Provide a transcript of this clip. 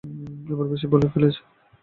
এবার বেশিই বলে ফেলেছ।